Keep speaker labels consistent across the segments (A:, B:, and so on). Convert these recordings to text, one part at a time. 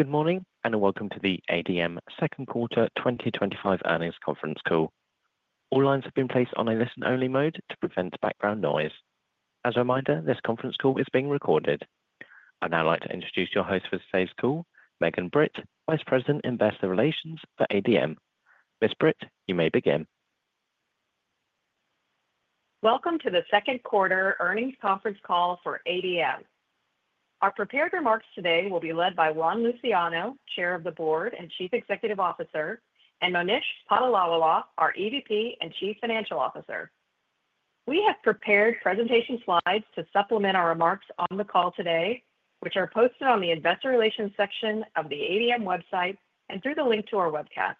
A: Good morning and welcome to the ADM second quarter 2025 earnings conference call. All lines have been placed on a listen only mode to prevent background noise. As a reminder, this conference call is being recorded. I'd now like to introduce your host for today's call, Megan Britt, Vice President, Investor Relations for ADM. Ms. Britt, you may begin.
B: Welcome to the second quarter earnings conference call for ADM. Our prepared remarks today will be led by Juan Luciano, Chair of the Board and Chief Executive Officer, and Monish Patolawala, our EVP and Chief Financial Officer. We have prepared presentation slides to supplement our remarks on the call today, which are posted on the Investor Relations section of the ADM website and through the link to our webcast.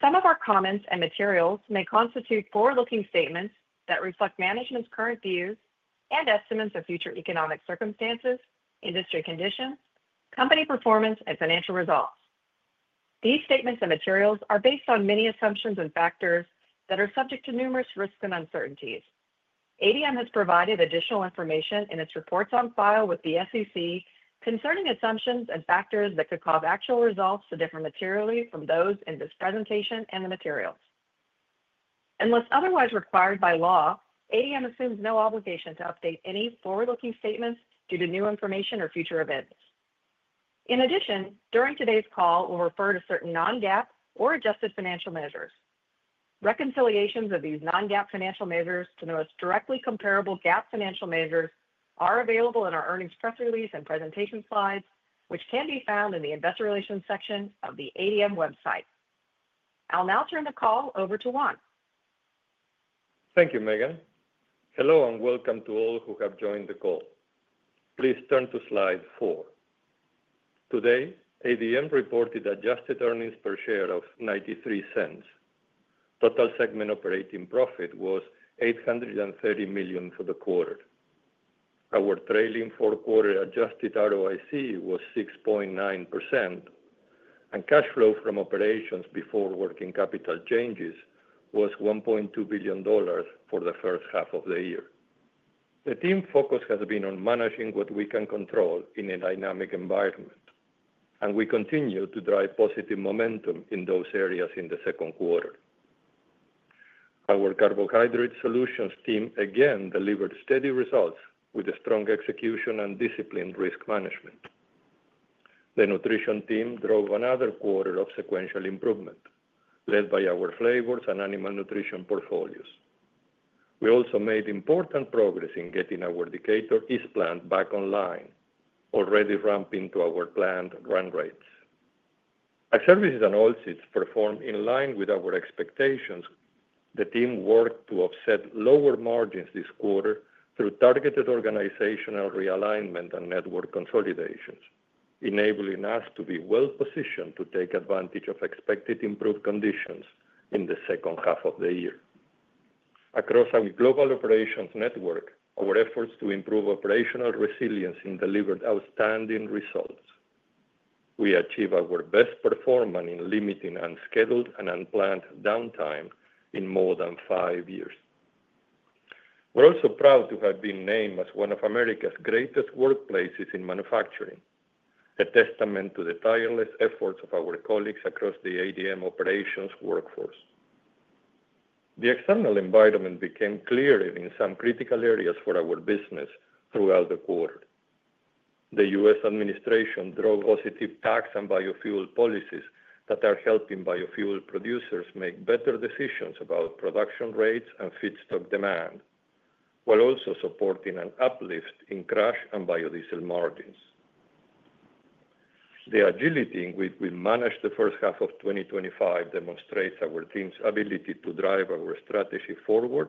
B: Some of our comments and materials may constitute forward-looking statements that reflect management's current views and estimates of future economic circumstances, industry conditions, company performance, and financial results. These statements and materials are based on many assumptions and factors that are subject to numerous risks and uncertainties. ADM has provided additional information in its reports on file with the SEC concerning assumptions and factors that could cause actual results to differ materially from those in this presentation and the materials. Unless otherwise required by law, ADM assumes no obligation to update any forward-looking statements due to new information or future events. In addition, during today's call we'll refer to certain non-GAAP or adjusted financial measures. Reconciliations of these non-GAAP financial measures to the most directly comparable GAAP financial measures are available in our earnings press release and presentation slides, which can be found in the Investor Relations section of the ADM website. I'll now turn the call over to Juan.
C: Thank you, Megan. Hello and welcome to all who have joined the call. Please turn to Slide four. Today, ADM reported adjusted earnings per share of $0.93. Total segment operating profit was $830 million for the quarter. Our trailing four-quarter adjusted ROIC was 6.9%, and cash flow from operations before working capital changes was $1.2 billion For the first half of the year. The team focus has been on managing what we can control in a dynamic environment, and we continue to drive positive momentum in those areas in the second quarter. Our Carbohydrate Solutions team again delivered steady results with strong execution and disciplined risk management. The Nutrition team drove another quarter of sequential improvement, led by our Flavors and Animal Nutrition portfolios. We also made important progress in getting our Decatur East plant back online, already ramping to our planned run rates. Ag Services & Oilseeds performed in line with our expectations. The team worked to offset lower margins this quarter through targeted organizational realignment and network consolidations, enabling us to be well positioned to take advantage of expected improved conditions in the second half of the year. Across our global operations network, our efforts to improve operational resiliency delivered outstanding results. We achieved our best performance in limiting unscheduled and unplanned downtime in more than five years. We're also proud to have been named as one of America's Greatest Workplaces in Manufacturing, a testament to the tireless efforts of our colleagues across the ADM operations workforce. The external environment became clear in some critical areas for our business throughout the quarter. The U.S. Administration drove positive tax and biofuel policies that are helping biofuel producers make better decisions about production rates and feedstock demand while also supporting an uplift in crush and biodiesel margins. The agility in which we managed the first half of 2024 demonstrates our team's ability to drive our strategy forward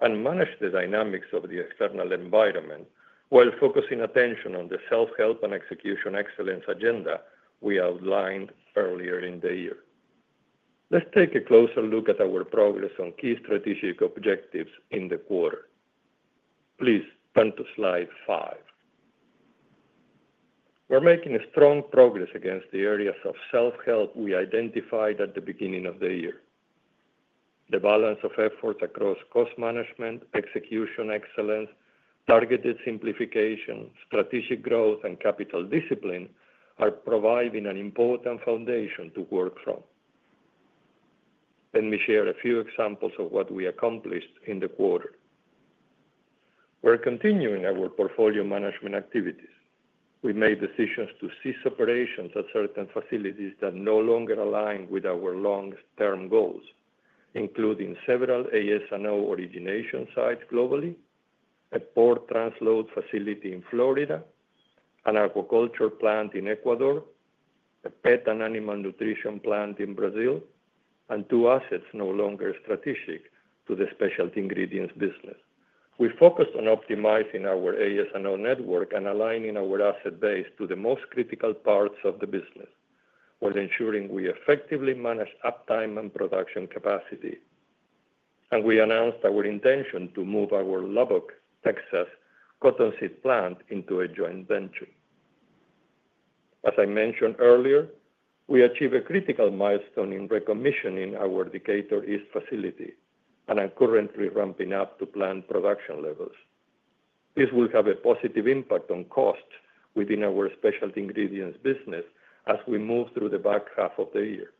C: and manage the dynamics of the external environment while focusing attention on the self-help and execution excellence agenda we outlined earlier in the year. Let's take a closer look at our progress on key strategic objectives in the quarter. Please turn to Slide five. We're making strong progress against the areas of self-help we identified at the beginning of the year. The balance of efforts across cost management, execution excellence, targeted simplification, strategic growth, and capital discipline are providing an important foundation to work from. Let me share a few examples of what we accomplished in the quarter. We're continuing our portfolio management activities. We made decisions to cease operations at certain facilities that no longer align with our long-term goals, including several AS&O origination sites globally, a port transload facility in Florida, an aquaculture plant in Ecuador, a pet and animal nutrition plant in Brazil, and two assets no longer strategic to the specialty ingredients business. We focused on optimizing our AS&O network and aligning our asset base to the most critical parts of the business while ensuring we effectively manage uptime and production capacity, and we announced our intention to move our Lubbock, Texas cottonseed plant into a joint venture. As I mentioned earlier, we achieved a critical milestone in recommissioning our Decatur East plant and are currently ramping up to plant production levels. This will have a positive impact on cost within our specialty ingredients business as we move through the back half of the year.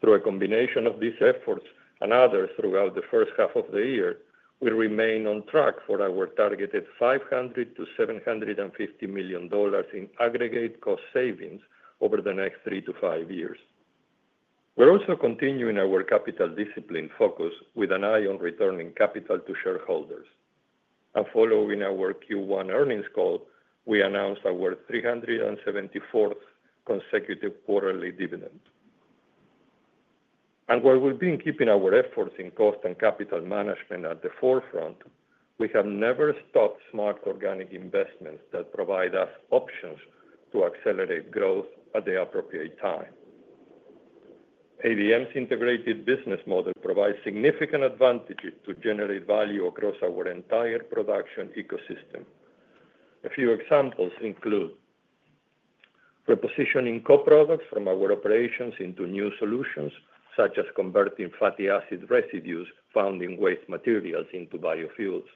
C: Through a combination of these efforts and others throughout the first half of the year, we remain on track for our targeted $500 million-$750 million in aggregate cost savings over the next three to five years. We're also continuing our capital discipline focus with an eye on returning capital to shareholders, and following our Q1 earnings call, we announced our 374th consecutive quarterly dividend. While we've been keeping our efforts in cost and capital management at the forefront, we have never stopped smart organic investments that provide us options to accelerate growth at the appropriate time. ADM's integrated business model provides significant advantages to generate value across our entire production ecosystem. A few examples: repositioning co-products from our operations into new solutions, such as converting fatty acid residues found in waste materials into biofuels,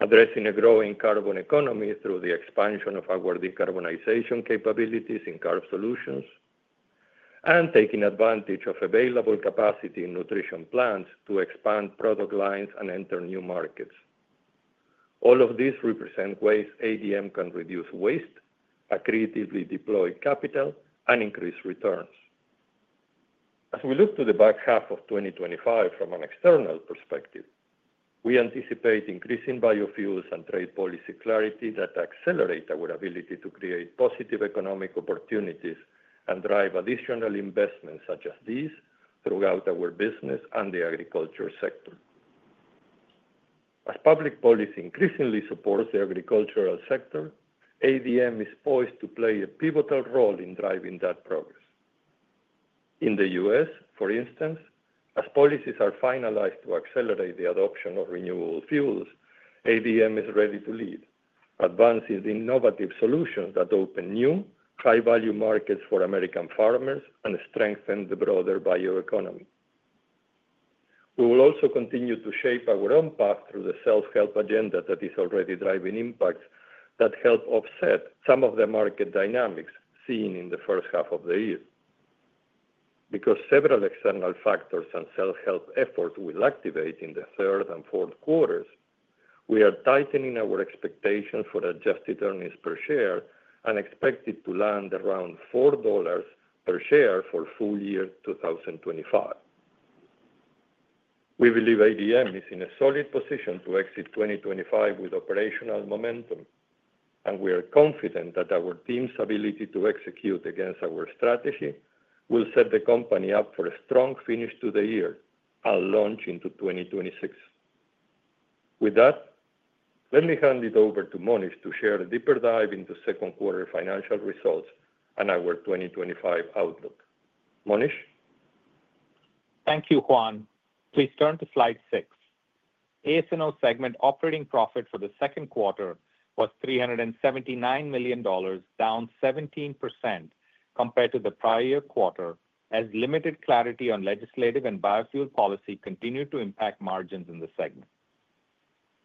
C: addressing a growing carbon economy through the expansion of our decarbonization capabilities in Carbohydrate Solutions, and taking advantage of available capacity in Nutrition plants to expand product lines and enter new markets. All of these represent ways ADM can reduce waste, accretively deploy capital, and increase returns. As we look to the back half of 2025 from an external perspective, we anticipate increasing biofuels and trade policy clarity that accelerate our ability to create positive economic opportunities and drive additional investments such as these throughout our business and the agriculture sector. As public policy increasingly supports the agricultural sector, ADM is poised to play a pivotal role in driving that progress. In the U.S. for instance, as policies are finalized to accelerate the adoption of renewable fuels, ADM is ready to lead advancing innovative solutions that open new high value markets for American farmers and strengthen the broader bioeconomy. We will also continue to shape our impact through the self help agenda that is already driving impact that help offset some of the market dynamics seen in the first half of the year. Because several external factors and self help efforts will activate in the third and fourth quarters, we are tightening our expectation for adjusted earnings per share and expect to land around $4.00 per share for full year 2025. We believe ADM is in a solid position to exit 2025 with operational momentum and we are confident that our team's ability to execute against our strategy will set the company up for a strong finish to the year and launch into 2026. With that, let me hand it over to Monish to share a deeper dive into second quarter financial results and our 2025 outlook. Monish.
D: Thank you Juan. Please turn to Slide six. AS&O segment operating profit for the second quarter was $379 million, down 17% compared to the prior year quarter as limited clarity on legislative and biofuel policy continued to impact. Margins in the segment.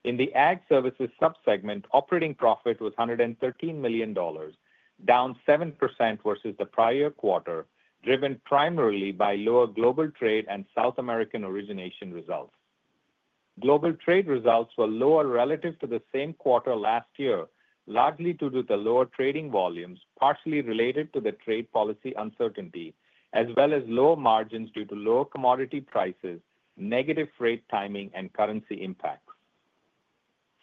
D: In the Ag Services subsegment, operating profit was $113 million, down 7% versus the prior quarter, driven primarily by lower Global Trade and South American Origination results. Global Trade results were lower relative to the same quarter last year, largely due to the lower trading volumes partially related to the trade policy uncertainty, as well as low margins due to lower commodity prices, negative freight timing, and currency impacts.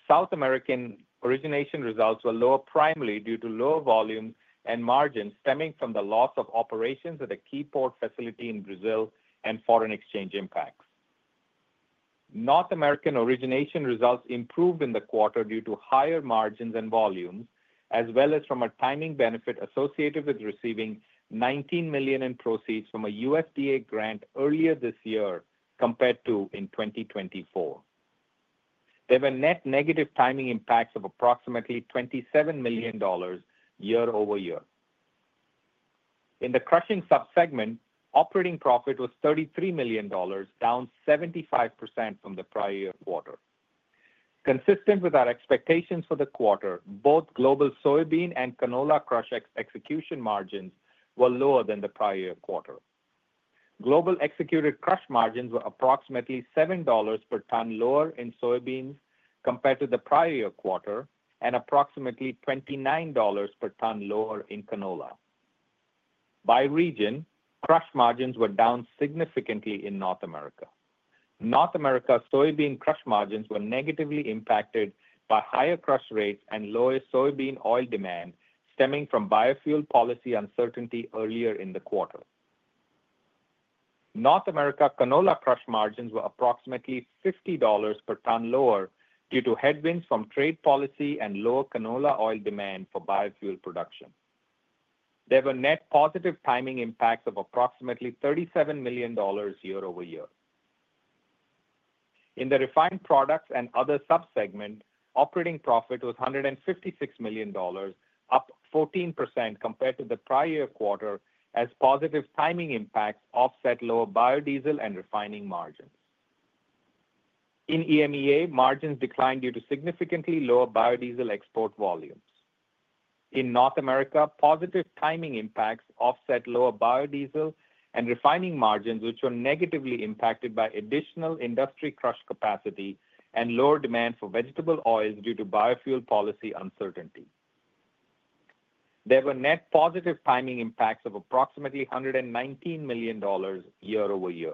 D: South American Origination results were lower, primarily due to lower volume and margins stemming from the loss of operations at a key port facility in Brazil and foreign exchange impacts. North American Origination results improved in the quarter due to higher margins and volumes, as well as from a timing benefit associated with receiving $19 million in proceeds from a USDA grant earlier this year compared to in 2024. There were net negative timing impacts of approximately $27 million year-over-year. In the Crushing subsegment, operating profit was $33 million, down 75% from the prior year quarter. Consistent with our expectations for the quarter, both global soybean and canola crush execution margins were lower than the prior year quarter. Global executed crush margins were approximately $7 per ton lower in soybeans compared to the prior year quarter and approximately $29 per ton lower in canola. By region, crush margins were down significantly in North America. North America soybean crush margins were negatively impacted by higher crush rates and lower soybean oil demand stemming from biofuel policy uncertainty earlier in the quarter. North America canola crush margins were approximately $50 per ton lower due to headwinds from trade policy and lower canola oil demand for biofuel production. There were net positive timing impacts of approximately $37 million year-over-year. In the refined products and other subsegment operating profit was $156 million, up 14% compared to the prior year quarter. As positive timing impact offset lower biodiesel and refining margins. In EMEA, margins declined due to significantly lower biodiesel export volumes in North America, positive timing impacts offset lower biodiesel and refining margins, which were negatively impacted by additional industry crush capacity and lower demand for vegetable oils due to biofuel policy uncertainty. There were net positive timing impacts of approximately $119 million year-over-year.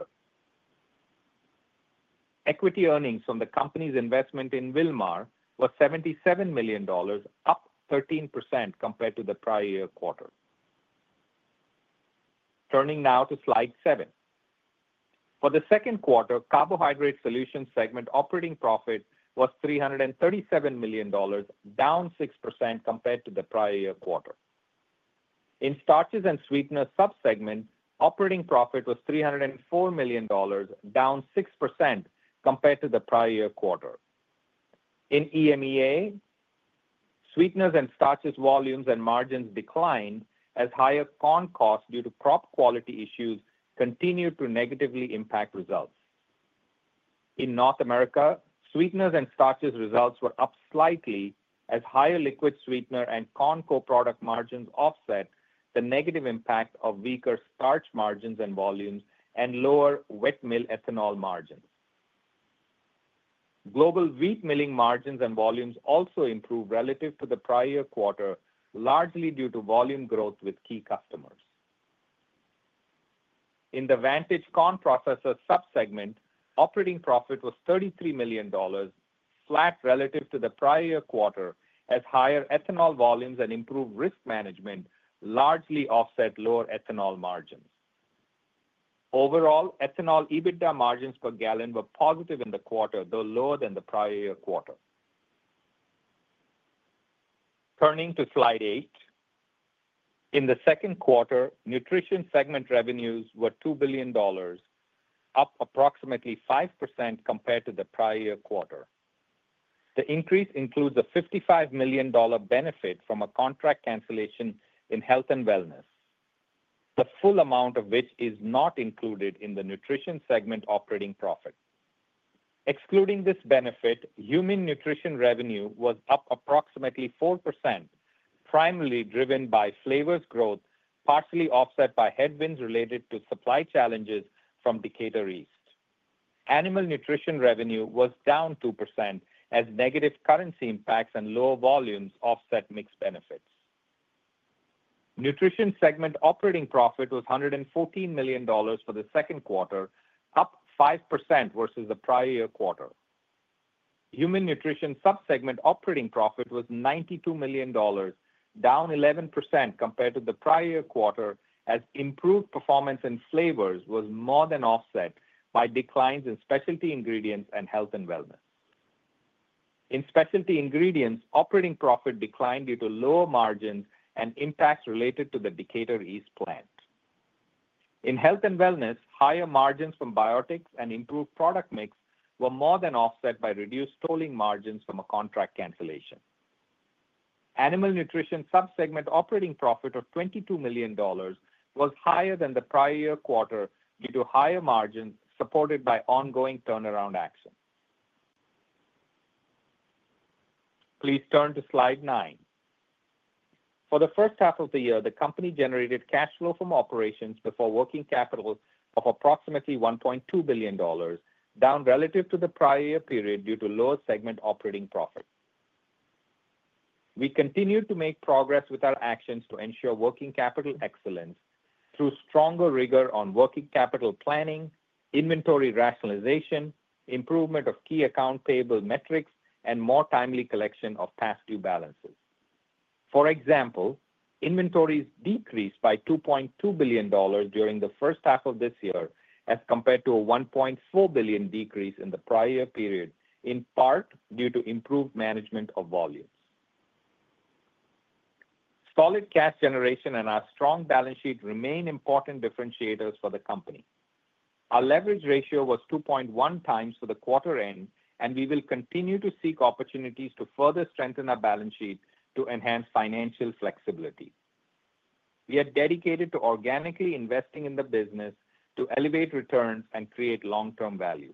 D: Equity earnings from the company's investment in Wilmar was $77 million, up 13% compared to the prior year quarter. Turning now to Slide seven for the second quarter, carbohydrate Solutions segment operating profit was $337 million, down 6% compared to the prior year quarter. In starches and sweeteners subsegment, operating profit was $304 million, down 6% compared to the prior year quarter. In EMEA, sweeteners and starches volumes and margins declined as higher corn costs due to crop quality issues continued to negatively impact results. In North America, sweeteners and starches results were up slightly as higher liquid sweetener and corn co-product margins offset the negative impact of weaker starch margins and volumes and lower wet mill ethanol margins. Global wheat milling margins and volumes also improved relative to the prior quarter, largely due to volume growth with key customers. In the Vantage Corn Processors subsegment, operating profit was $33 million, flat relative to the prior year quarter as higher ethanol volumes and improved risk management largely offset lower ethanol margin. Overall ethanol EBITDA margins per gallon were positive in the quarter, though lower than the prior year quarter. Turning to Slide eight, in the second quarter, Nutrition segment revenues were $2 billion, up approximately 5% compared to the prior year quarter. The increase includes a $55 million benefit from a contract cancellation in Health and Wellness, the full amount of which is not included in the Nutrition segment operating profit. Excluding this benefit, Human Nutrition revenue was up approximately 4%, primarily driven by Flavors growth, partially offset by headwinds related to supply challenges from Decatur East. Animal Nutrition revenue was down 2% as negative currency impacts and lower volumes offset mixed benefits. Nutrition segment operating profit was $114 million for the second quarter, up 5% versus the prior year quarter. Human Nutrition subsegment operating profit was $92 million, down 11% compared to the prior year quarter as improved performance in Flavors was more than offset by declines in specialty ingredients and Health and Wellness. In specialty ingredients, operating profit declined due to lower margins and impacts related to the Decatur East plant. In Health and Wellness, Higher margins from biotics and improved product mix were more than offset by reduced tolling margins from a contract cancellation. Animal Nutrition subsegment operating profit of $22 million was higher than the prior quarter due to higher margin supported by ongoing turnaround action. Please turn to Slide nine. For the first half of the year, the company generated cash flow from operations before working capital of approximately $1.2 billion, down relative to the prior year period due to lower segment operating profit. We continue to make progress with our actions to ensure working capital excellence through stronger rigor on working capital planning, inventory rationalization, improvement of key account payable metrics, and more timely collection of past due balances. For example, inventories decreased by $2.2 billion during the first half of this year as compared to a $1.4 billion decrease in the prior year period, in part due to improved management of volumes. Solid cash generation and our strong balance sheet remain important differentiators for the company. Our leverage ratio was 2.1x for the quarter end, and we will continue to seek opportunities to further strengthen our balance sheet to enhance financial flexibility. We are dedicated to organically investing in the business to elevate returns and create long term value.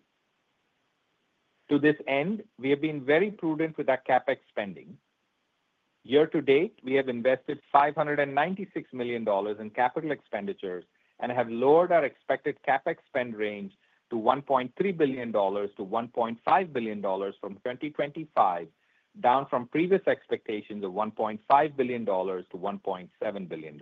D: To this end, we have been very prudent with our CapEx spending. Year to date, we have invested $596 million in capital expenditures and have lowered our expected CapEx spend range to $1.3 billion-$1.5 billion for 2025, down from previous expectations of $1.5 billion-$1.7 billion.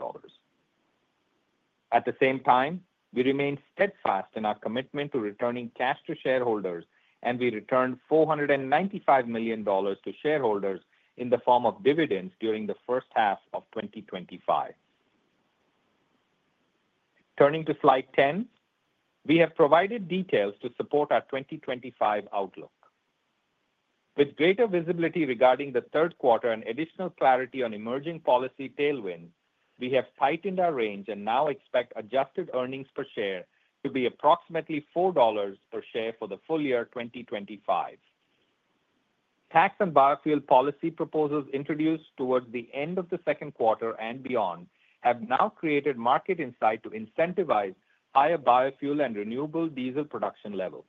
D: At the same time, we remain steadfast in our commitment to returning cash to shareholders, and we returned $495 million to shareholders in the form of dividends during the first half of 2025. Turning to Slide 10, we have provided details to support our 2025 outlook. With greater visibility regarding the third quarter and additional clarity on emerging policy tailwinds, we have tightened our range and now expect adjusted earnings per share to be approximately $4.00 per share for the full year 2025. Tax and biofuel policy proposals introduced towards the end of the second quarter and beyond have now created market insight to incentivize higher biofuel and renewable diesel production levels.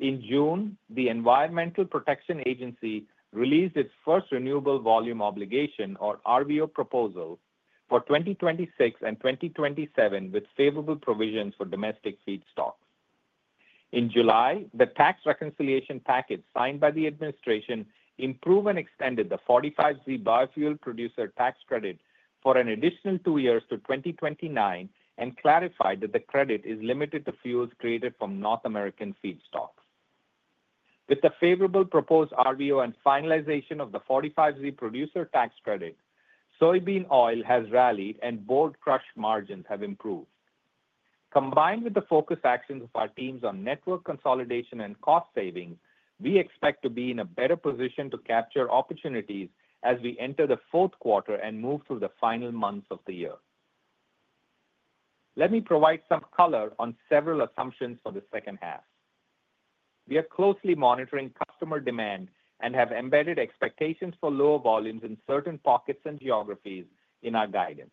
D: In June, the Environmental Protection Agency released its first Renewable Volume Obligation, or RVO, proposal for 2026 and 2027 with favorable provisions for domestic feedstock. In July, the tax reconciliation package signed by the administration improved and extended the 45Z biofuel producer tax credit for an additional two years to 2029 and clarified that the credit is limited to fuels created from North American feedstock. With the favorable proposed RVO and finalization of the 45Z biofuel producer tax credit, soybean oil has rallied and both crush margins have improved. Combined with the focused actions of our teams on network consolidation and cost saving, we expect to be in a better position to capture opportunities. As we enter the fourth quarter and move through the final months of the year, let me provide some color on several assumptions for the second half. We are closely monitoring customer demand and have embedded expectations for lower volumes in certain pockets and geographies in our guidance.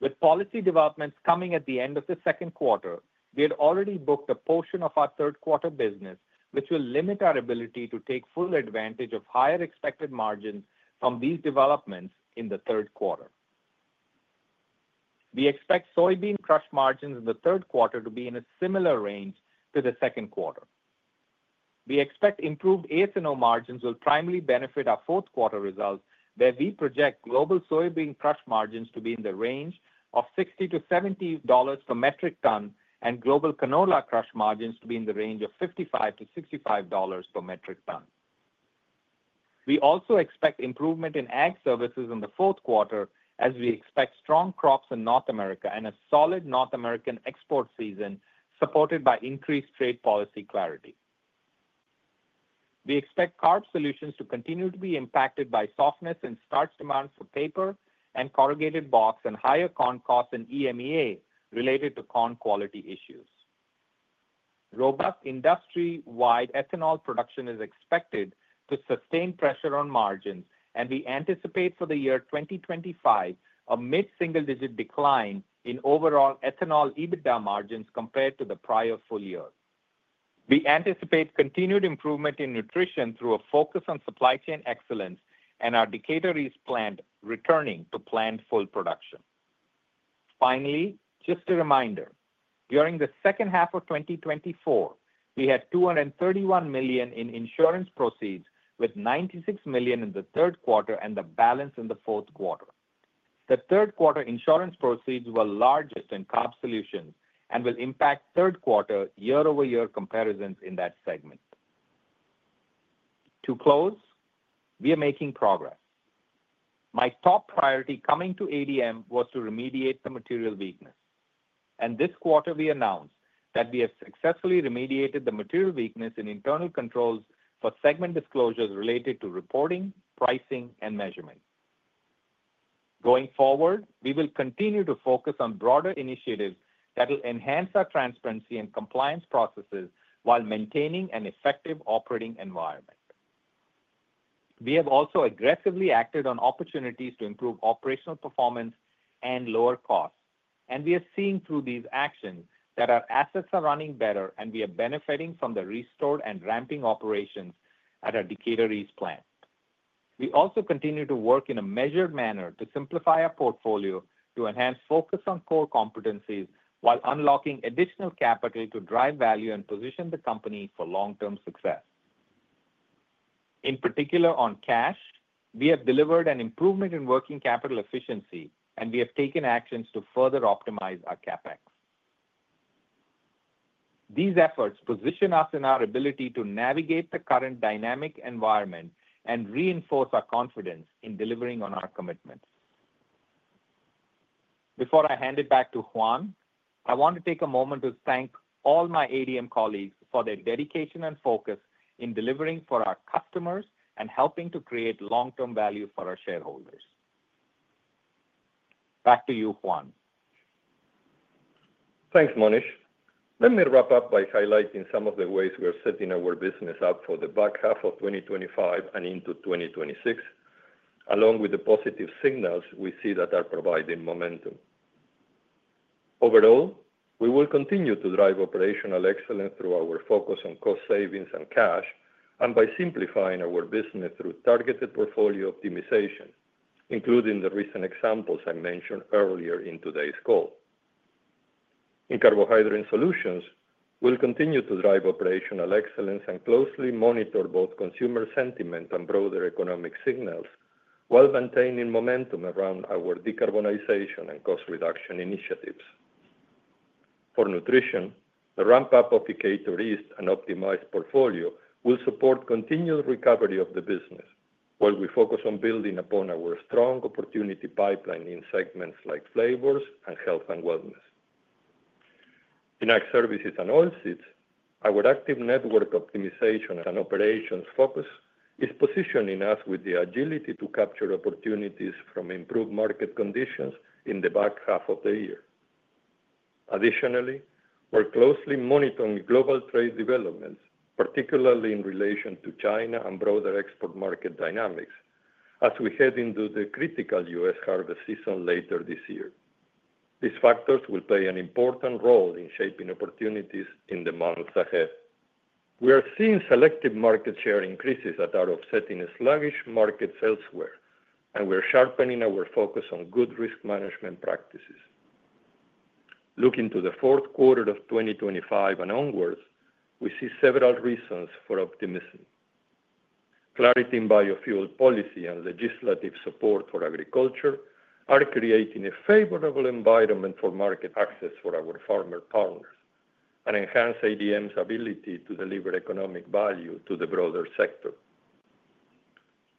D: With policy developments coming at the end of the second quarter, we had already booked a portion of our third quarter business, which will limit our ability to take full advantage of higher expected margin. From these developments in the third quarter, we expect soybean crush margins in the third quarter to be in a similar range to the second quarter. We expect improved ASO margins will primarily benefit our fourth quarter results, where we project global soybean crush margins to be in the range of $60-$70 per metric ton and global canola crush margins to be in the range of $55-$65 per metric ton. We also expect improvement in Ag Services in the fourth quarter as we expect strong crops in North America and a solid North American export season supported by increased trade policy clarity. We expect Carbohydrate Solutions to continue to be impacted by softness in starch demand for paper and corrugated box and higher corn cost in EMEA related to corn quality issues. Robust industry-wide ethanol production is expected to sustain pressure on margins, and we anticipate for the year 2025 a mid-single-digit decline in overall ethanol EBITDA margins compared to the prior full year. We anticipate continued improvement in Nutrition through a focus on supply chain excellence and our Decatur East plant returning to planned full production. Finally, just a reminder, during the second half of 2024 we had $231 million in insurance proceeds, with $96 million in the third quarter and the balance in the fourth quarter. The third quarter insurance proceeds were largest in Carbohydrate Solutions and will impact third quarter year-over-year comparisons in that segment. To close, we are making progress. My top priority coming to ADM was to remediate the material weakness, and this quarter we announced that we have successfully remediated the material weakness in internal controls for segment disclosures related to reporting, pricing, and measurement. Going forward, we will continue to focus on broader initiatives that will enhance our transparency and compliance processes while maintaining an effective operating environment. We have also aggressively acted on opportunities to improve operational performance and lower costs, and we are seeing through these actions that our assets are running better and we are benefiting from the restored and ramping operations at our Decatur East plant. We also continue to work in a measured manner to simplify our portfolio to enhance focus on core competencies while unlocking additional capital to drive value and position the company for long-term success. In particular, on cash, we have delivered an improvement in working capital efficiency, and we have taken actions to further optimize our CapEx. These efforts position us in our ability to navigate the current dynamic environment and reinforce our confidence in delivering on our commitments. Before I hand it back to Juan, I want to take a moment to thank all my ADM colleagues for their dedication and focus in delivering for our customers and helping to create long-term value for our shareholders. Back to you, Juan.
C: Thanks, Monish. Let me wrap up by highlighting some of the ways we are setting our business up for the back half of 2025 and into 2026. Along with the positive signals we see that are providing momentum overall, we will continue to drive operational excellence through our focus on cost savings and cash, and by simplifying our business through targeted portfolio optimization, including the recent examples I mentioned earlier in today's call. In Carbohydrate Solutions, we'll continue to drive operational excellence and closely monitor both consumer sentiment and broader economic signals while maintaining momentum around our decarbonization and cost reduction initiatives. For Nutrition, a ramp up of the Decatur East and optimized portfolio will support continued recovery of the business. While we focus on building upon our strong opportunity pipeline in segments like Flavors and Health and Wellness, in Ag Services & Oilseeds, our active network optimization and operations focus is positioning us with the agility to capture opportunities from improved market conditions in the back half of the year. Additionally, we're closely monitoring global trade developments, particularly in relation to China and broader export market dynamics as we head into the critical U.S. harvest season later this year. These factors will play an important role in shaping opportunities in the months ahead. We are seeing selective market share increases that are offsetting sluggish markets elsewhere, and we are sharpening our focus on good risk management practices. Looking to the fourth quarter of 2025 and onwards, we see several reasons for optimism. Clarity in biofuel policy and legislative support for agriculture are creating a favorable environment for market access for our farmer power and enhance ADM's ability to deliver economic value to the broader sector.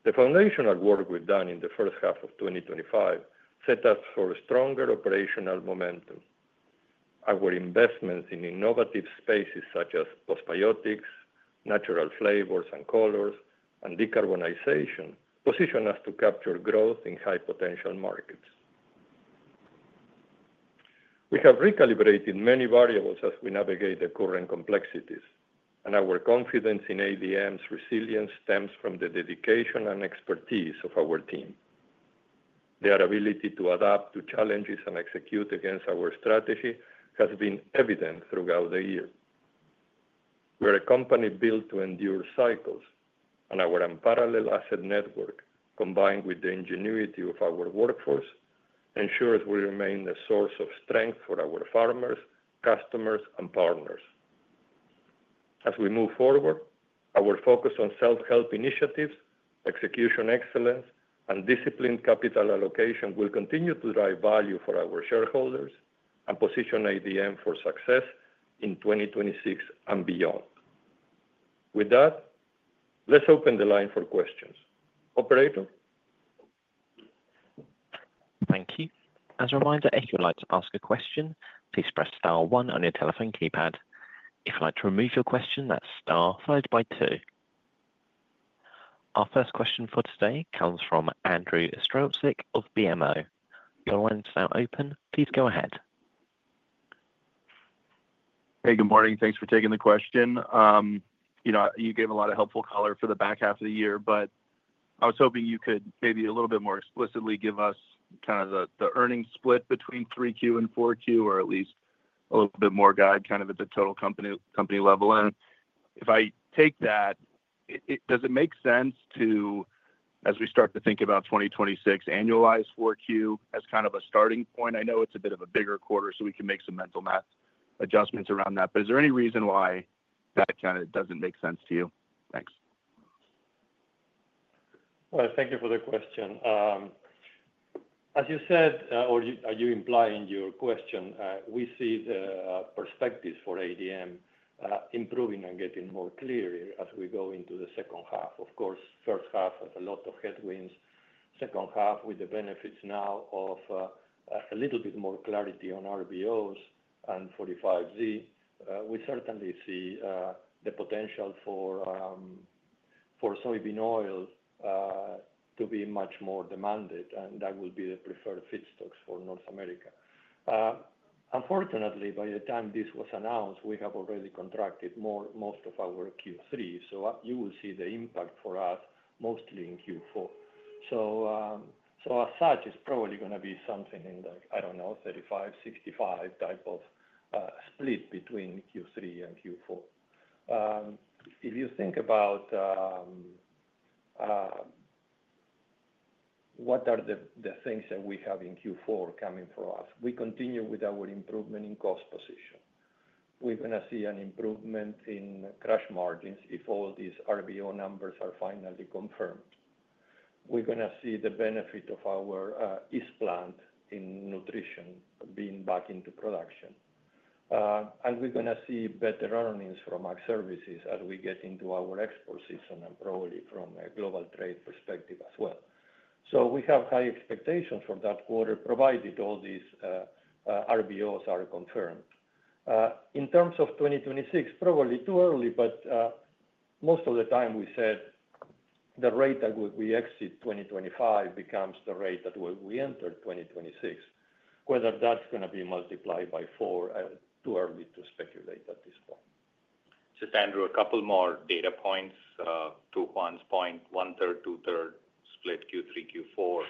C: The foundational work we've done in the first half of 2025 set us for stronger operational momentum. Our investments in innovative spaces such as postbiotics, natural flavors and colors, and decarbonization position us to capture growth in high-potential markets. We have recalibrated many variables as we navigate the current complexities, and our confidence in ADM's resilience stems from the dedication and expertise of our team. Their ability to adapt to challenges and execute against our strategy has been evident throughout the year. We are a company built to endure cycles, and our unparalleled asset network combined with the ingenuity of our workforce ensures we remain a source of strength for our farmers, customers, and partners as we move forward. Our focus on self-help initiatives, execution excellence, and disciplined capital allocation will continue to drive value for our shareholders and position ADM for success in 2026 and beyond. With that, let's open the line for questions. Operator.
A: Thank you. As a reminder, if you'd like to ask a question, please press Star one on your telephone keypad. If you'd like to remove your question, that's Star followed by two. Our first question for today comes from Andrew Strelzik of BMO. Your line is now open. Please go ahead.
E: Hey, good morning. Thanks for taking the question. You gave a lot of helpful color for the back half of the year, but I was hoping you could maybe a little bit more explicitly give us kind of the earnings split. Between 3Q and 4Q or at least. A little bit more guide, kind of at the total company level. If I take that, does it. Makes sense as we start to think about 2026 annualized 4Q as kind. Of a starting point? I know it's a bit of a. Bigger quarter, so we can make some mental math adjustments around that, but is there any reason why that kind of. Doesn't make sense to you?
C: Thank you for the question. As you said or you imply in your question, we see the perspectives for ADM improving and getting more clear as we go into the second half. Of course, first half has a lot of headwinds. Second half with the benefits. Now, of course, a little bit more clarity on RVOs and 45Z. We certainly see the potential for soybean oil to be much more demanded and that will be the preferred feedstocks for North America. Unfortunately, by the time this was announced, we have already contracted most of our Q3. You will see the impact for us mostly in Q4. As such, it's probably going to be something in the, I don't know, 35, 65 type of split between Q3 and Q4. If you think about what are the things that we have in Q4 coming through us, we continue with our improvement in cost position, we're going to see an improvement in crush margins. If all these RVO numbers are finally confirmed, we're going to see the benefit of our yeast plant in Nutrition being back into production and we're going to see better earnings from our services as we get into our export system and probably from a global trade perspective as well. We have high expectations for that quarter provided all these RVOs are confirmed. In terms of 2026, probably too early, but most of the time we said the rate that we exit 2025 becomes the rate that we enter 2026, whether that's going to be multiplied by four, too early to speculate at this point.
D: Just Andrew, a couple more data points to Juan's point. One-third, two-thirds split Q3, Q4.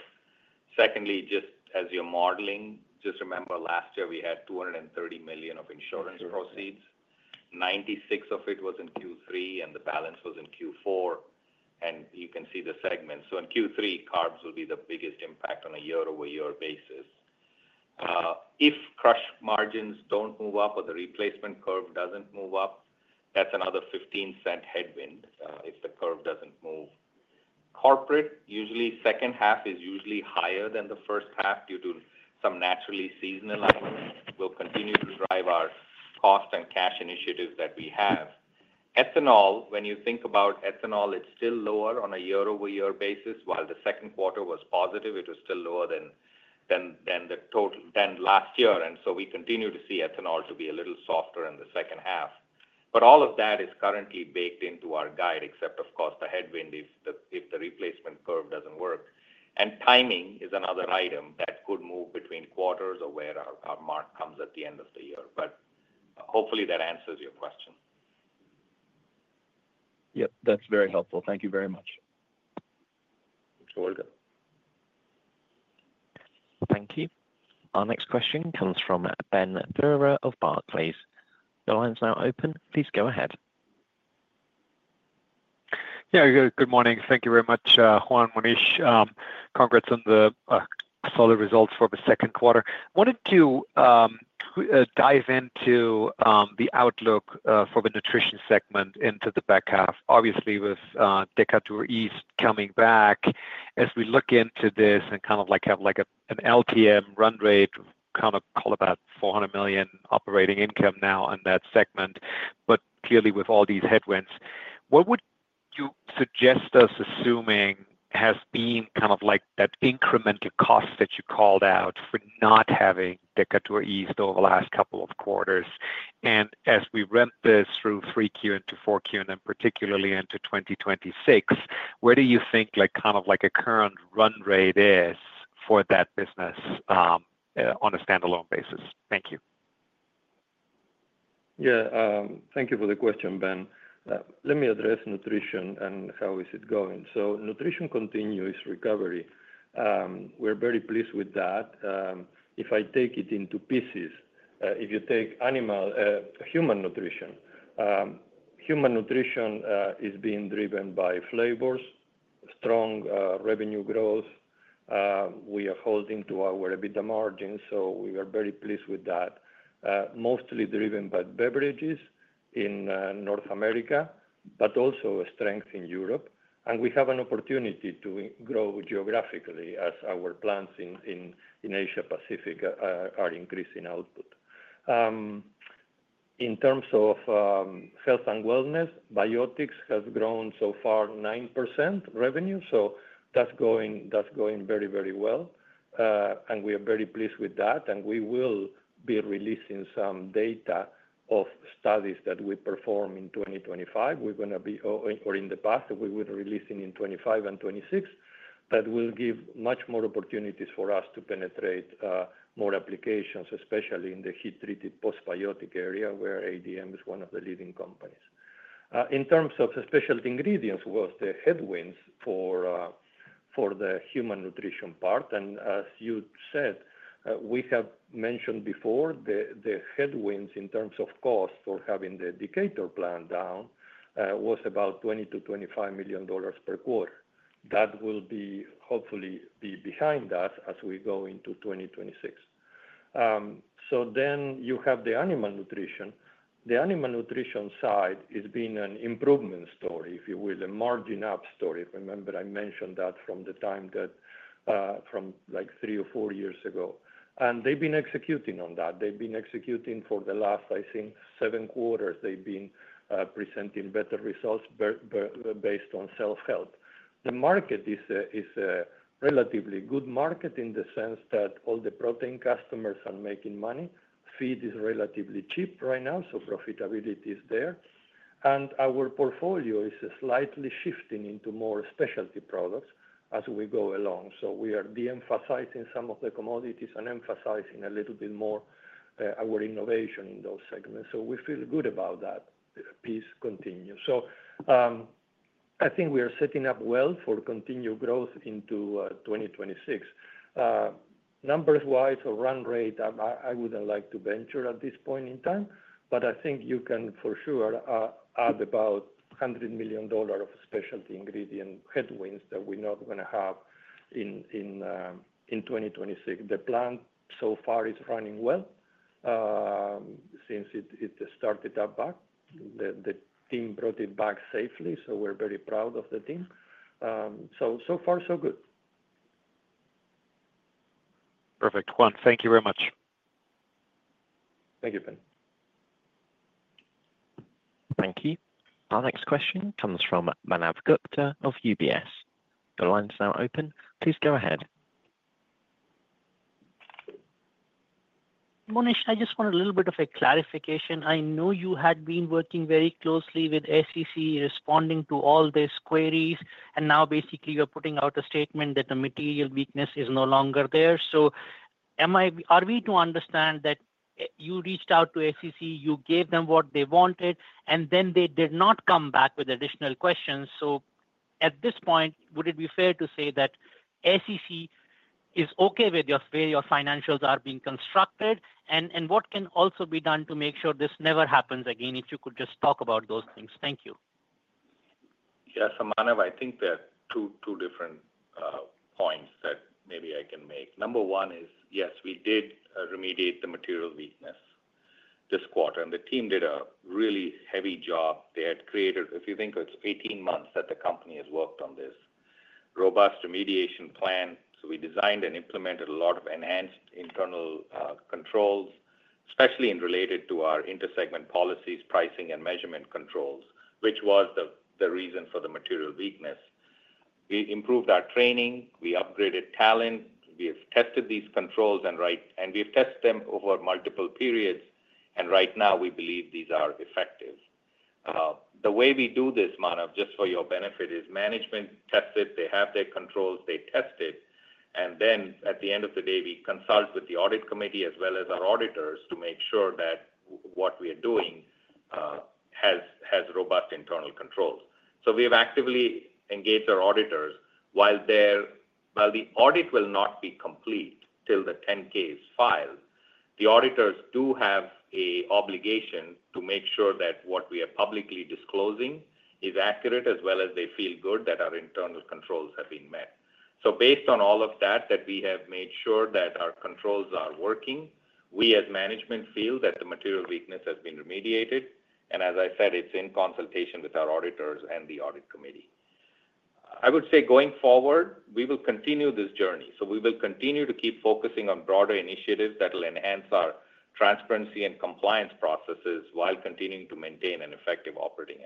D: Secondly, just as you're modeling, just remember last year we had $230 million of insurance proceeds, $96 million of it was in Q3 and the balance was in Q4 and you can see the segments. In Q3, Carbs will be the biggest impact on a year-over-year basis. If crush margins don't move up or the replacement curve doesn't move up, that's another $0.15 headwind. If the curve doesn't move corporate usually. Second half is usually higher than the. First half due to some naturally seasonal will continue to drive our cost and cash initiatives that we have. Ethanol, when you think about ethanol, it's still lower. On a year-over-year basis, while the second quarter was positive, it. Was still lower than. Last year. We continue to see ethanol to be a little softer in the second half. All of that is currently baked into our guide except, of course, the headwind if the replacement curve doesn't work. Timing is another item that could move between quarters or where our mark comes at the end of the year. Hopefully that answers your question.
E: Yep, that's very helpful. Thank you very much.
A: Thank you. Our next question comes from Ben Theurer of Barclays. The line is now open. Please go ahead.
F: Good morning. Thank you very much. Juan, Monish, congrats on the solid results for the second quarter. Wanted to dive into the outlook for. The Nutrition segment into the back half obviously with Decatur East coming back as we look into this and kind of like have like an LPM run rate kind of call about $400 million operating income now on that segment. Clearly with all these headwinds, what would you suggest us assuming has been kind of like that incremental cost that you called out for not having Decatur East over the last couple of quarters and as we rent this through 3Q. Into 4Q and then particularly into 2026, where do you think like kind of. What is the current run rate for that business on a standalone basis? Thank you.
C: Yeah, thank you for the question, Ben. Let me address Nutrition and how is it going. Nutrition continues recovery. We're very pleased with that. If I take it into pieces, if you take Animal and Human Nutrition, Human Nutrition is being driven by Flavors, strong revenue growth. We are holding to our EBITDA margin, so we are very pleased with that. Mostly driven by beverages in North America, but also strength in Europe. We have an opportunity to grow geographically as our plants in Asia Pacific are increasing output in terms of health and wellness. Biotics have grown so far 9% revenue, so that's going very, very well and we are very pleased with that. We will be releasing some data of studies that we perform in 2025. We're going to be, or in the past we were releasing in 2025. That will give much more opportunities for us to penetrate more applications, especially in the heat-treated postbiotic area where ADM is one of the leading companies in terms of specialty ingredients. The headwinds for the Human Nutrition part, as you said, we have mentioned before, the headwinds in terms of cost of having the Decatur East plant down was about $20 million-$25 million per quarter. That will hopefully be behind us as we go into 2026. You have the Animal Nutrition. The Animal Nutrition side is being an improvement story, if you will, a margin up story. Remember I mentioned that from the time that from like three or four years ago, and they've been executing on that. They've been executing for the last, I think, seven quarters. They've been presenting better results based on self-help. The market is a relatively good market in the sense that all the protein customers are making money. Feed is relatively cheap right now, so profitability is there and our portfolio is slightly shifting into more specialty products as we go along. We are deemphasizing some of the commodities and emphasizing a little bit more our innovation in those segments. We feel good about that piece continuing. I think we are setting up well for continued growth into 2026. Numbers-wise or run rate, I wouldn't like to venture at this point in time, but I think you can for sure add about $100 million of specialty ingredient headwinds that we're not going to have in 2026. The plant so far is running well since it started up back. The team brought it back safely, so we're very proud of the team. So far, so good.
F: Perfect. Juan, thank you very much.
C: Thank you, Ben.
A: Thank you. Our next question comes from Manav Gupta of UBS. The line's now open. Please go ahead.
G: Monish. I just want a little bit of a clarification. I know you had been working very closely with the SEC responding to all these queries, and now basically you're putting out a statement that the material weakness is no longer there. Am I to understand that you reached out to the SEC, you gave them what they wanted, and then they did not come back with additional questions? At this point, would it be fair to say that the SEC is okay with the way your financials are being constructed, and what can also be done to make sure this never happens again? If you could just talk about those things. Thank You.
D: Yes, Manav, I think there are two different points that maybe I can make. Number one is yes, we did remediate the material weakness this quarter and the team did a really heavy job they had created. If you think it's 18 months that the company has worked on this robust remediation plan. We designed and implemented a lot of enhanced internal controls, especially in related to our intersegment policies, pricing and measurement controls, which was the reason for the material weakness. We improved our training, we upgraded talent, we have tested these controls and we've tested them over multiple periods and right now we believe these are effective. The way we do this, Manav, just for your benefit, is management tests it. They have their controls, they test it and at the end of the day we consult with the audit committee as well as our auditors to make sure that what we are doing has robust internal control. We have actively engaged our auditors. While the audit will not be complete till the 10-K is filed, the auditors do have an obligation to make sure that what we are publicly disclosing is accurate as well as they feel good that our internal controls have been met. Based on all of that we have made sure that our controls are working. We as management feel that the material. weakness has been remediated. As I said, it's in consultation with our auditors and the Audit Committee. I would say going forward we will continue this journey. We will continue to keep focusing on broader initiatives that will enhance our transparency and compliance processes while continuing to maintain an effective operating.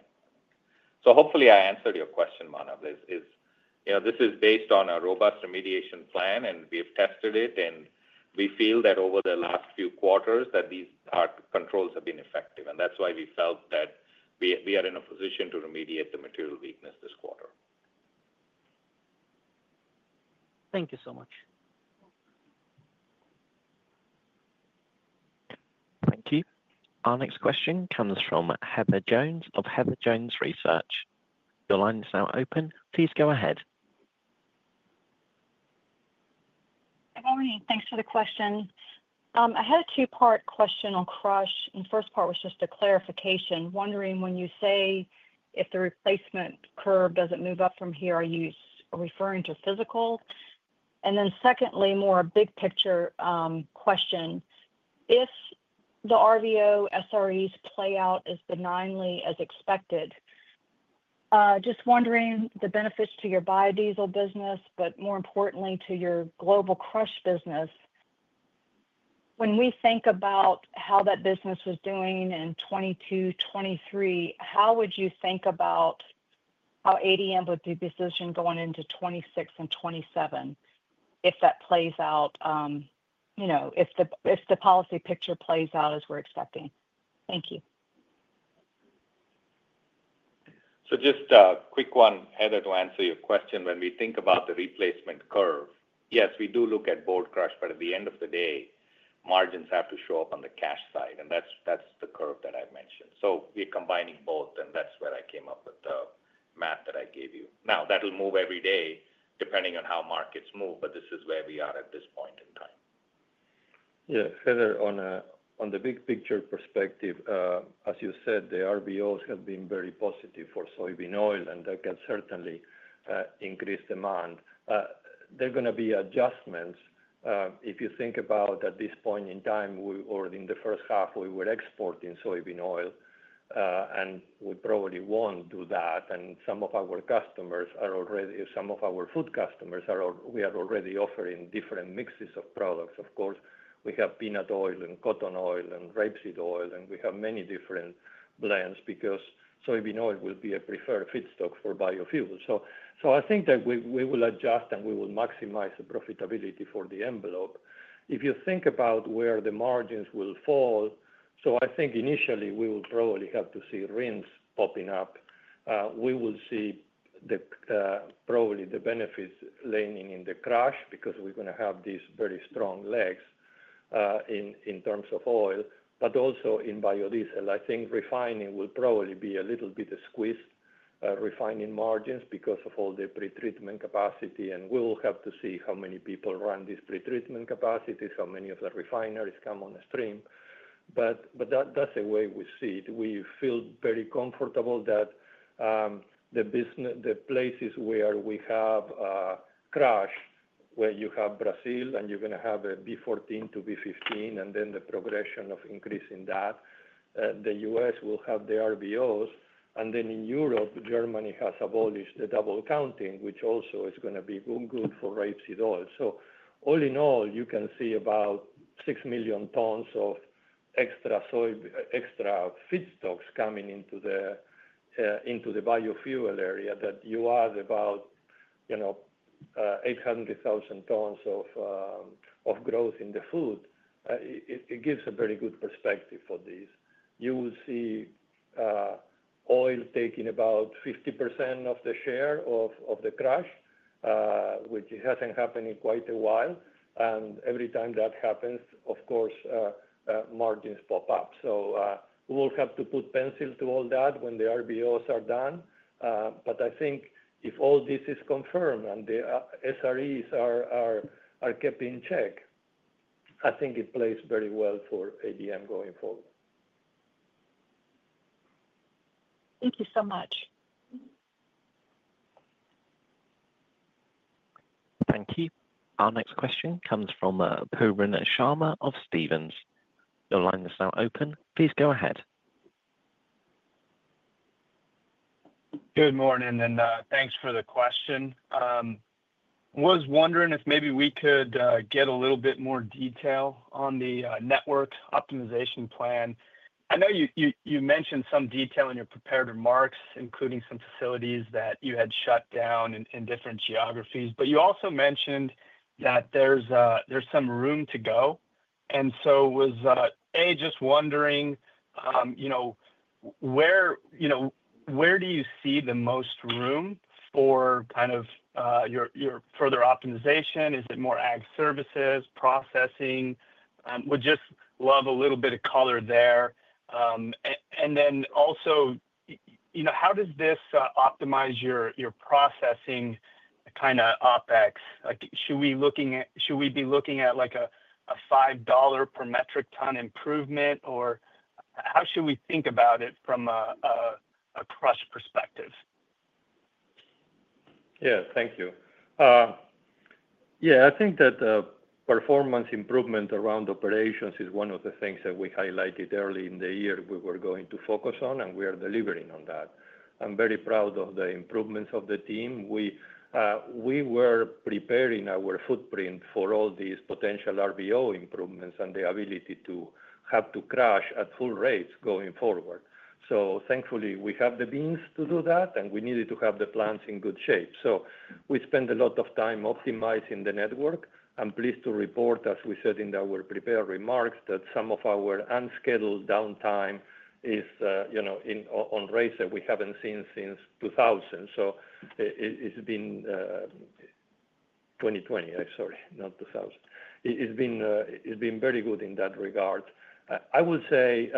D: Hopefully I answered your question, Manav. This is based on our robust remediation plan and we have tested it and we feel that over the last few quarters these controls have been effective and that's why we felt that we are in a position to remediate the. Material weakness this quarter.
G: Thank you so much.
A: Thank you. Our next question comes from Heather Jones of Heather Jones Research. Your line is now open. Please go ahead.
H: Good morning. Thanks for the question. I had a two-part question on Crush, and the first part was just a clarification, wondering when you say if the replacement curve doesn't move up from here, are you referring to physical? Then, secondly, more big picture question. If the RVOs play out as benignly as expected, just wondering the benefits to your biodiesel business, but more importantly to your global crush business. When we think about how that business was doing in 2022/2023, how would you think about how ADM would make the decision going into 2026 and 2027 if that plays out, you know, if the policy picture plays out as we're expecting. Thank you.
D: To answer your question, Heather, when we think about the replacement curve, yes, we do look at board crush. At the end of the day, margins have to show up on the cash side, and that's the curve that I mentioned. We're combining both, and that's where I came up with the math that I gave you. That will move every day depending on how markets move. This is where we are at. this point in time.
C: Heather, on the big picture perspective, as you said, the RVOs have been very positive for soybean oil and they can certainly increase demand. There are going to be adjustments. If you think about at this point in time or in the first half, we were exporting soybean oil and we probably won't do that. Some of our customers are already, some of our food customers, we are already offering different mixes of products. Of course, we have peanut oil and cotton oil and rapeseed oil, and we have many different blends because soybean oil will be a preferred feedstock for biofuels. I think that we will adjust and we will maximize the profitability for the envelope if you think about where the margins will fall. I think initially we will probably have to see RINs popping up. We will see probably the benefits leaning in the crush because we're going to have these very strong legs in terms of oil. Also, in biodiesel, I think refining will probably be a little bit squeezed, refining margins because of all the pretreatment capacity. We will have to see how many people run these pretreatment capacities, how many of the refineries come on stream. That's the way we see it. We feel very comfortable that the places where we have crush, where you have Brazil and you're going to have a B14 to B15, and then the progression of increasing that, the U.S. will have the RVOs, and then in Europe, Germany has abolished the double counting, which also is going to be good for rapeseed oil. All in all, you can see about 6 million tons of extra feedstocks coming into the biofuel area. You add about 800,000 tons of growth in the food. It gives a very good perspective for this. You will see oil taking about 50% of the share of the crush, which hasn't happened in quite a while. Every time that happens, margins pop up. We will have to put pencil to all that when the RVOs are done, but I think if all this is confirmed and the SREs are kept in check, I think it plays very well for ADM going forward.
H: Thank you so much.
A: Thank you. Our next question comes from Pooran Sharma of Stephens. Your line is now open. Please go ahead.
I: Good morning and thanks for the question. Was wondering if maybe we could get a little bit more detail on the network optimization plan. I know you mentioned some detail in your prepared remarks, including some facilities that you had shut down in different geographies, but you also mentioned that there's some room to go. Was just wondering, you know, where do you see the most room for kind of your further optimization? Is it more Ag Services processing? Would just love a little bit of color there. Also, you know, how does this optimize your processing kind of OpEx? Should we be looking at like a $5 per metric ton improvement or how should we think about it from a crush perspective?
C: Yeah. Thank you. Yeah. I think that performance improvement around operations is one of the things that we highlighted early in the year. We were going to focus on and we are delivering on that. I'm very proud of the improvements of the team. We were preparing our footprint for all these potential RVO improvements and the ability to have to crush at full rates going forward. Thankfully, we have the beans to do that and we needed to have the plants in good shape. We spent a lot of time optimizing the network. I'm pleased to report, as we said in our prepared remarks, that some of our unscheduled downtime is on rates that we haven't seen since 2020. It's been very good in that regard. I would say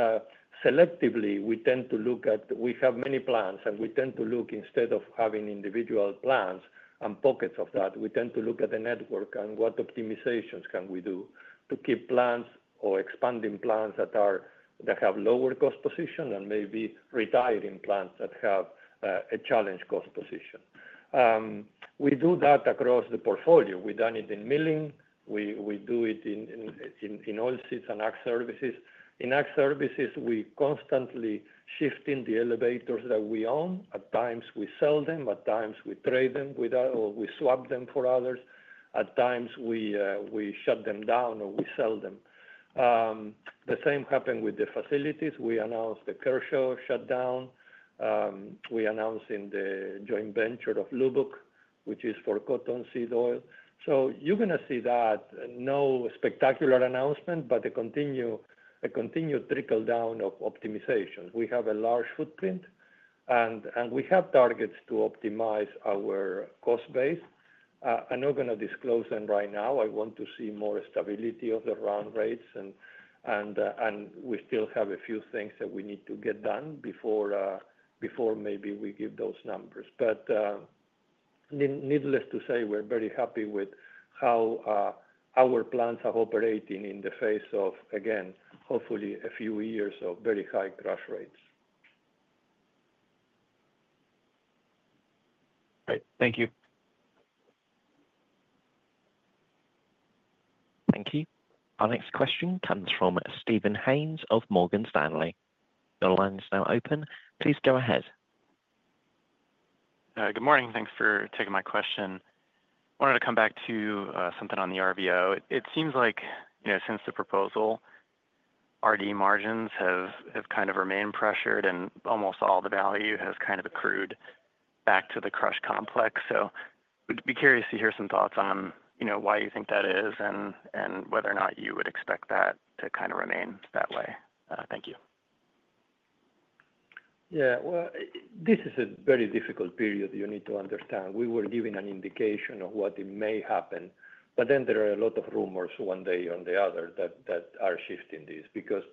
C: selectively, we tend to look at. We have many plants and we tend to look. Instead of having individual plants and pockets of that, we tend to look at the network and what optimizations can we do to keep plants or expanding plants that are that have lower cost position and maybe retiring plants that have a challenged cost position. We do that across the portfolio. We've done it in milling, we do it in oilseeds and Ag Services. In Ag Services, we are constantly shifting the elevators that we own. At times we sell them, at times we trade them or we swap them for others. At times we shut them down or we sell them. The same happened with the facilities. We announced the Kershaw shutdown. We announced the joint venture of Lubbock, which is for cottonseed oil. You're going to see that no spectacular announcement, but a continued trickle down of optimization. We have a large footprint and we have targets to optimize our cost base. I'm not going to disclose them right now. I want to see more stability of the run rates and we still have a few things that we need to get done before maybe we give those numbers. Needless to say, we're very happy with how our plants are operating in the face of, again, hopefully a few years of very high crush rates.
I: Great, thank you.
A: Thank you. Our next question comes from Steven Haynes of Morgan Stanley. Your line is now open. Please go ahead.
J: Good morning. Thanks for taking my question. I wanted to come back to something on the Renewable Volume Obligation. It seems like, you know, since the proposal, RD margins have kind of remained pressured and almost all the value has. Kind of accrued back to the crush complex. I'd be curious to hear some thoughts on why you think that is and whether or not you would expect. That to kind of remain that way. Thank you.
C: This is a very difficult period. You need to understand we were given an indication of what may happen, but then there are a lot of rumors one day or the other that are shifting this because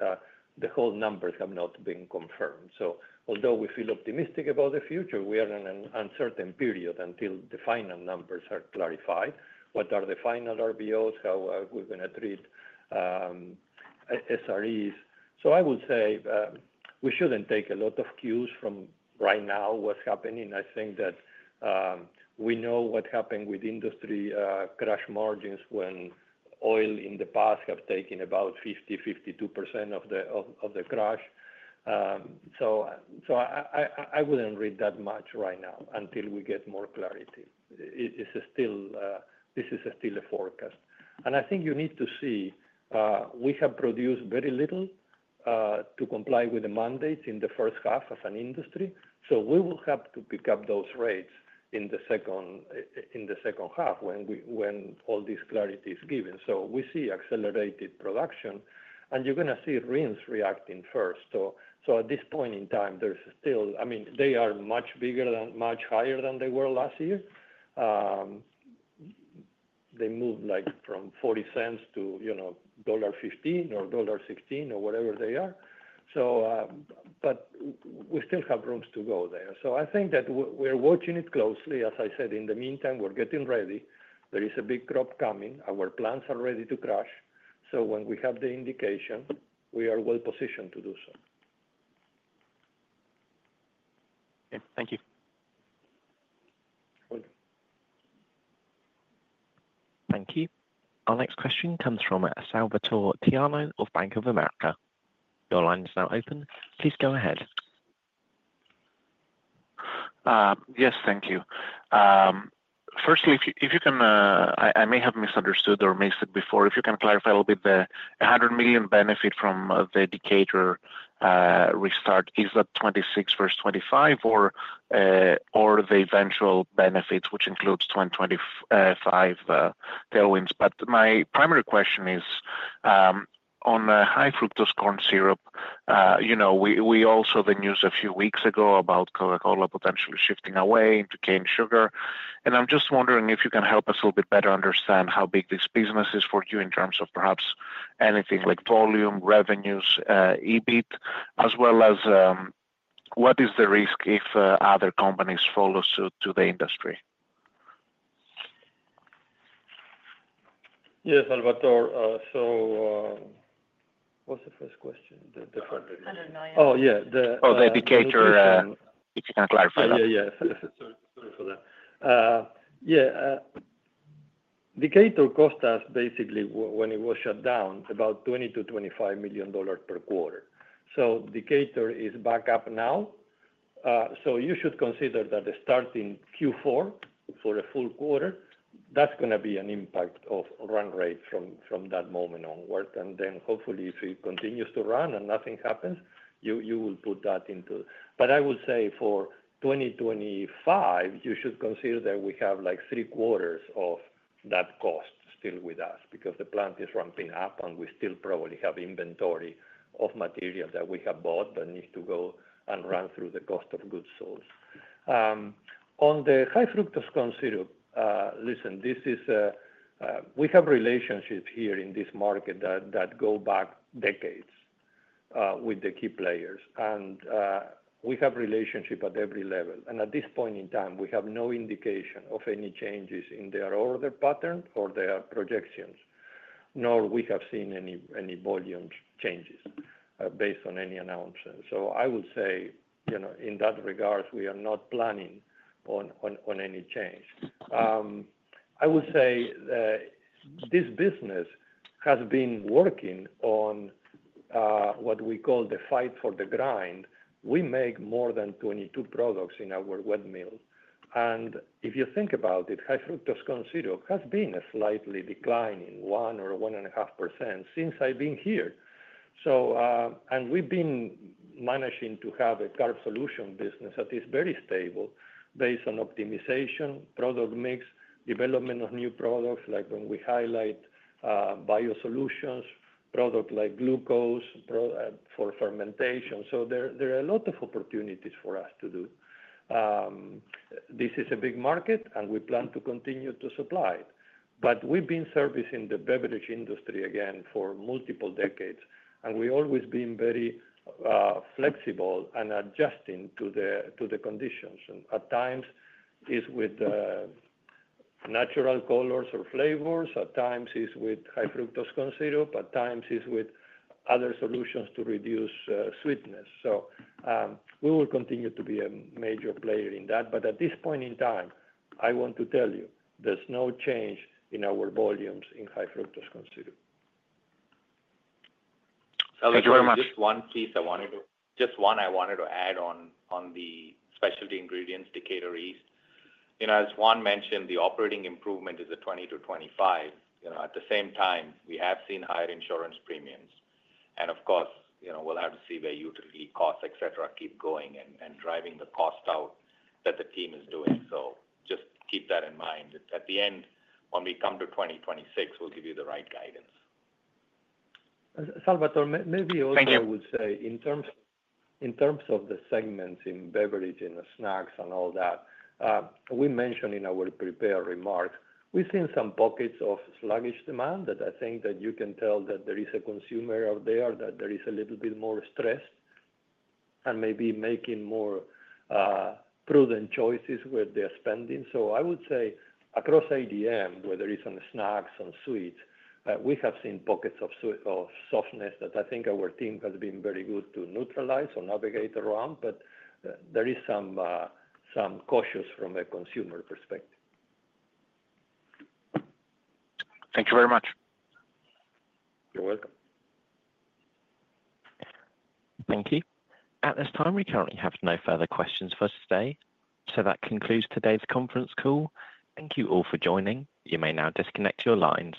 C: the whole numbers have not been confirmed. Although we feel optimistic about the future, we are in an uncertain period until the final numbers are clarified. What are the final RVOs how are we going to treat SREs? I would say we shouldn't take a lot of cues from right now, what's happening. I think that we know what happened with industry crush margins when oil in the past have taken about 50%, 52% of the crush. I wouldn't read that much right now until we get more clarity. This is still a forecast and I think you need to see we have produced very little to comply with the mandates in the first half as an industry. We will have to pick up those rates in the second half when all this clarity is given. We see accelerated production and you're going to see RINs reacting first. At this point in time, they are much bigger than, much higher than they were last year. They moved from $0.40 to $15 or $16 or whatever they are. We still have room to go there. I think that we're watching it closely. As I said, in the meantime, we're getting ready. There is a big crop coming. Our plants are ready to crush. When we have the indication, we are well positioned to do so.
J: Thank you.
A: Thank you. Our next question comes from Salvator Tiano of Bank of America. Your line is now open. Please go ahead.
K: Yes, thank you. Firstly, if you can, I may have misunderstood or missed it before. If you can clarify a little bit, the $100 million benefit from the Decatur restart, is that 2026 versus 2025 or the eventual benefit which includes 2025 tailwinds? My primary question is on high fructose corn syrup. We all saw the news a few weeks ago about Coca-Cola potentially shifting away into cane sugar. I'm just wondering if you can help us a little bit better understand how big this business is for you in terms of perhaps anything like volume, revenues, EBIT, as well as what is the risk if other companies follow suit to the industry.
C: Yes, Salvator. What's the first question?
B: I don't know yet.
C: Oh yeah.
K: Oh, the Decatur.
C: Sorry for that. Decatur cost us basically when it was shut down about $20 million-$25 million per quarter. Decatur is back up now. You should consider that starting Q4 for a full quarter, that's going to be an impact of run rate from that moment onward. Hopefully, if it continues to run and nothing happens, you will put that into. For 2025, you should consider that we have like three quarters of that cost still with us because the plant is ramping up and we still probably have inventory of material that we have bought but needs to go and run through the cost of goods sold. On the high fructose corn syrup, we have relationships here in this market that go back decades with the key players and we have relationships at every level. At this point in time, we have no indication of any changes in their order pattern or their projections, nor have we seen any volume changes based on any announcement. In that regard, we are not planning on any change. This business has been working on what we call the fight for the grind. We make more than 22 products in our windmill and if you think about it, high fructose corn syrup has been a slightly declining one or 1.5% since I've been here. We've been managing to have a Carbohydrate Solutions business that is very stable based on optimization, product mix, development of new products like when we highlight Biosolutions products like glucose for fermentation. There are a lot of opportunities for us to do. This is a big market and we plan to continue to supply it. We've been servicing the beverage industry again for multiple decades and we've always been very flexible and adjusting to the conditions. At times, it's with natural colors or flavors. At times, it's with high fructose corn syrup. At times, it's with other solutions to reduce sweetness. We will continue to be a major player in that. At this point in time, I want to tell you there's no change in our volumes in high fructose corn syrup.
D: One piece I wanted to just mention. I wanted to add on the specialty ingredients. Decatur East, you know, as Juan mentioned, the operating improvement is a $20 million-$ 25 million. At the same time, we have seen higher insurance premiums and, of course, you know, we'll have to see where utility costs, et cetera, keep going and driving the cost out that the team is doing. Just keep that in mind at the end when we come to 2026. We'll give you the right guidance.
C: Salvator, maybe also I would say in terms of the segments in beverage and snacks and all that we mentioned in our prepared remarks, we've seen some pockets of sluggish demand. I think that you can tell that there is a consumer out there, that there is a little bit more stress and maybe making more prudent choices with their spending. I would say across ADM, where there is on snacks, on sweets, we have seen pockets of softness that I think our team has been very good to neutralize or navigate around. There is some cautious from a consumer perspective.
K: Thank you very much.
C: You're welcome.
A: Thank you. At this time, we currently have no further questions for today. That concludes today's conference call. Thank you all for joining. You may now disconnect your lines.